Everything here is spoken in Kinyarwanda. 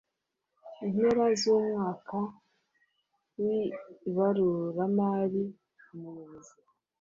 impera z umwaka w ibaruramari Umuyobozi